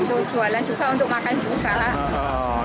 untuk jualan juga untuk makan juga